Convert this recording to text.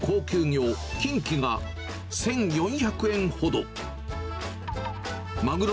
北海道産の高級魚、キンキは１４００円ほど。